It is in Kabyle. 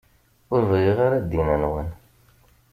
Ur bɣiɣ ara ddin-nwen.